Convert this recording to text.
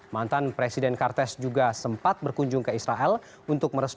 mantan presiden kartes juga sempat berkunjung ke israel untuk merespon